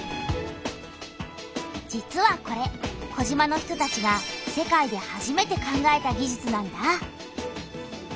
実はこれ児島の人たちが世界で初めて考えた技術なんだ。